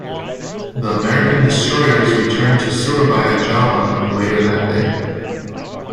The American destroyers returned to Surabaya, Java, later that day.